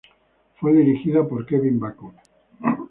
Fue dirigida por Kevin Bacon.